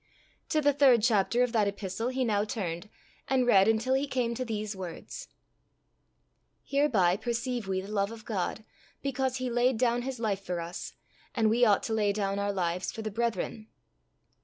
To the third chapter of that Epistle he now turned, and read until he came to these words: "Hereby perceive we the love of God, because he laid down his life for us, and we ought to lay down our lives for the brethren."